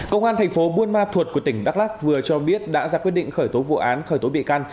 công an thành phố buôn ma thuột của tỉnh đắk lắc vừa cho biết đã ra quyết định khởi tố vụ án khởi tố bị can